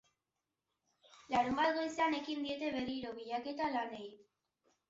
Larunbat goizean ekin diete berriro bilaketa lanei.